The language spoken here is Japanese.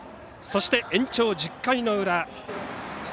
そして延長１０回の裏。